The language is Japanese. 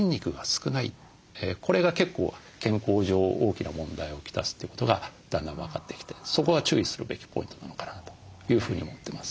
これが結構健康上大きな問題をきたすということがだんだん分かってきてそこは注意するべきポイントなのかなというふうに思ってます。